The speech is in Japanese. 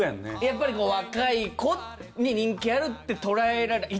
やっぱり若い子に人気あるってとらえられる。